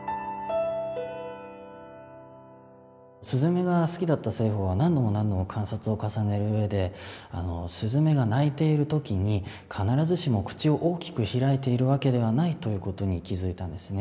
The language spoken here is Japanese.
すずめが好きだった栖鳳は何度も何度も観察を重ねるうえですずめが鳴いている時に必ずしも口を大きく開いているわけではないということに気付いたんですね。